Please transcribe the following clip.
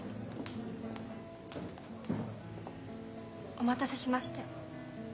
お待たせしました。